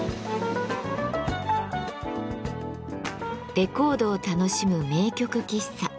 レコードを楽しむ名曲喫茶。